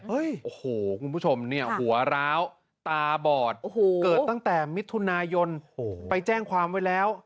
โอ้โหคุณผู้ชมเนี่ยหัวร้าวตาบอดโอ้โหเกิดตั้งแต่มิถุนายนไปแจ้งความไว้แล้ว